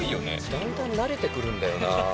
だんだんなれてくるんだよなあ。